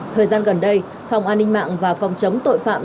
thời gian gần đây phòng an ninh mạng và phòng chống tội phạm